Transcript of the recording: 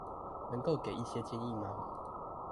能夠給一些建議嗎